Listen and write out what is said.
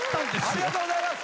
ありがとうございます。